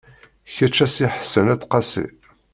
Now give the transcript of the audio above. Kečč a Si Ḥsen At Qasi.